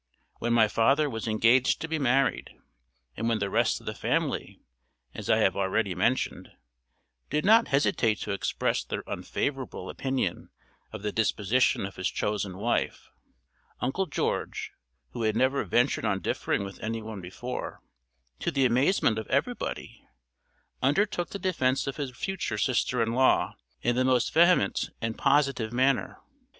When my father was engaged to be married, and when the rest of the family, as I have already mentioned, did not hesitate to express their unfavorable opinion of the disposition of his chosen wife, Uncle George, who had never ventured on differing with anyone before, to the amazement of everybody, undertook the defense of his future sister in law in the most vehement and positive manner.